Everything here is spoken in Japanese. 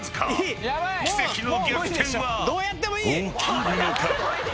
［奇跡の逆転は起きるのか］